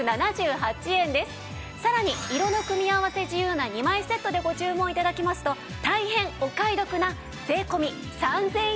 さらに色の組み合わせ自由な２枚セットでご注文頂きますと大変お買い得な税込３０００円です。